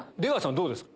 どうですか？